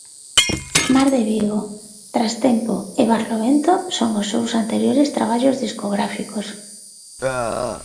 "Mar de Vigo", "Trastempo" e "Barlovento" son os seus anteriores traballos discográficos.